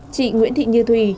chị nguyễn thị như thùy